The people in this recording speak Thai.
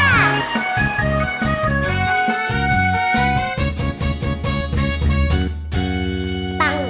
ตั้งแต่